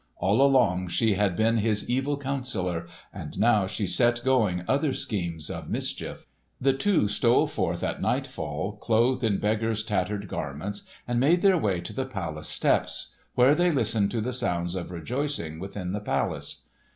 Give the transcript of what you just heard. All along she had been his evil counsellor, and now she set going other schemes of mischief. The two stole forth at nightfall, clothed in beggar's tattered garments, and made their way to the palace steps, where they listened to the sounds of rejoicing within the palace.